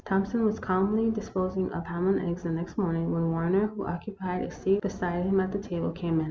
Thompson was calmly disposing of ham and eggs the next morning, when Warner, who occupied a seat beside him at table, came in.